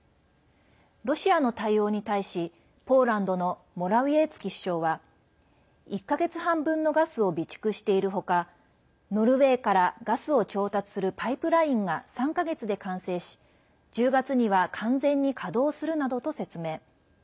ロシアの対応に対しポーランドのモラウィエツキ首相は１か月半分のガスを備蓄しているほかノルウェーからガスを調達するパイプラインが３か月で完成し１０月には完全に稼働するなどと説明。